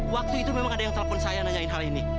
waktu itu memang ada yang telepon saya nanyain hal ini